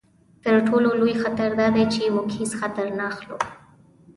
تر ټولو لوی خطر دا دی چې موږ هیڅ خطر نه اخلو.